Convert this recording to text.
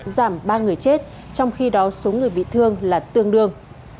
giảm ba người chết trong khi đó số người bị thương là tương đương